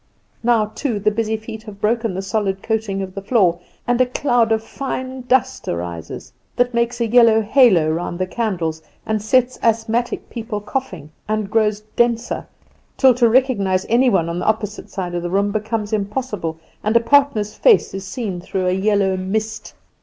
Now too the busy feet have broken the solid coating of the floor, and a cloud of fine dust arises, that makes a yellow halo round the candles, and sets asthmatic people coughing, and grows denser, till to recognise any one on the opposite side of the room becomes impossible, and a partner's face is seen through a yellow mist.